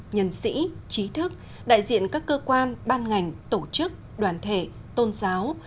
nhân sĩ trí thức đại diện các cơ quan ban ngành tổ chức đoàn thể tôn giáo